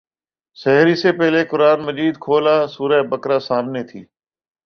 سحری سے پہلے قرآن مجید کھولا سورہ بقرہ سامنے تھی۔